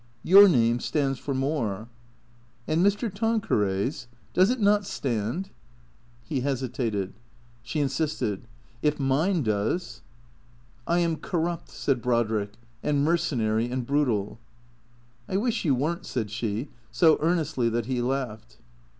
" Your name stands for more." " And Mr. Tanqueray's ? Does it not stand ?" THE CEEATOKS 145 He hesitated. She insisted. " If mine does." " I am corrupt," said Brodrick, " and mercenary and brutal." " I wish you were n't," said she, so earnestly that he laughed.